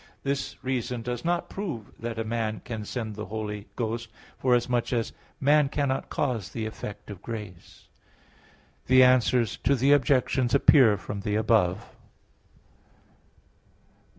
This reason does not prove that a man can send the Holy Ghost, forasmuch as man cannot cause the effect of grace. The answers to the objections appear from the above.